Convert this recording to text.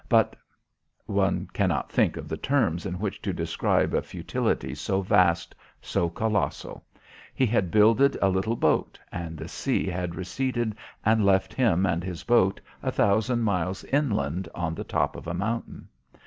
But One cannot think of the terms in which to describe a futility so vast, so colossal. He had builded a little boat, and the sea had receded and left him and his boat a thousand miles inland on the top of a mountain.